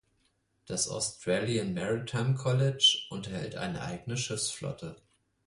Das Australian Maritime College unterhält eine eigene Schiffsflotte.